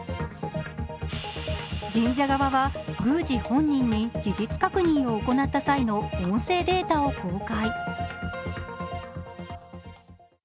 神社側は、宮司本人に事実確認を行った際の音声データを公開。